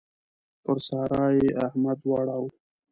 پر سارا يې احمد واړاوو.